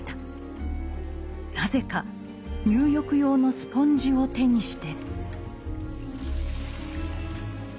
なぜか入浴用のスポンジを手にして。